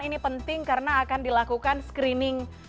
ini penting karena akan dilakukan screening